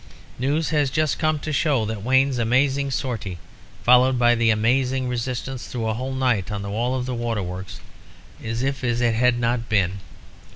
"News has just come to show that Wayne's amazing sortie, followed by the amazing resistance through a whole night on the wall of the Waterworks, is as if it had not been.